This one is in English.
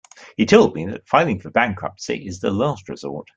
He told me that filing for bankruptcy is the last resort.